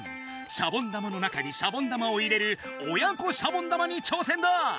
シャボン玉の中にシャボン玉を入れる親子シャボン玉に挑戦だ！